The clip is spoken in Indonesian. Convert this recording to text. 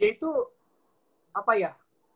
dia itu apa ya